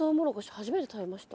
初めて食べました。